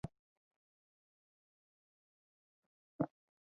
猛隼为隼科隼属的鸟类。